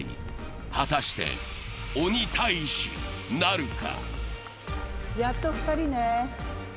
果たして、鬼タイジなるか。